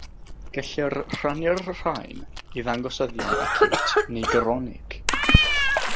Gellir rhannu'r rhain i ddangosyddion aciwt neu gronig.